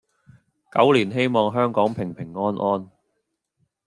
狗年希望香港平平安安